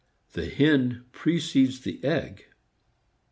The hen precedes the egg.